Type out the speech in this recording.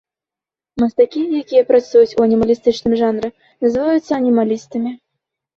Мастакі, якія працуюць у анімалістычным жанры, называюцца анімалістамі.